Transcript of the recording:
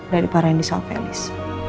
dari para yang di salvelis